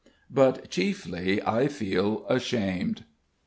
But chiefly I feel ashamed.